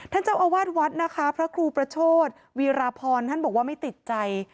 ท่านเจ้าอาวาสวัดนะคะพระครูประโชธวีรพรท่านบอกว่าไม่ติดใจ